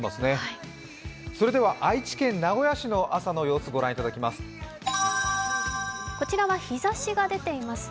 愛知県名古屋市の朝の様子御覧いただきます。